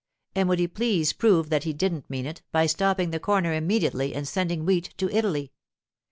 And would he please prove that he didn't mean it, by stopping the corner immediately and sending wheat to Italy?